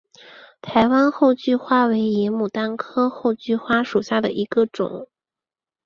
台湾厚距花为野牡丹科厚距花属下的一个种。